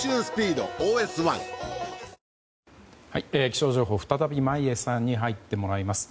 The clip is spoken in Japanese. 気象情報再び眞家さんに入ってもらいます。